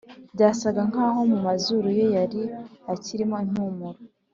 byasaga nkaho mu mazuru ye yari akiri mo impumuro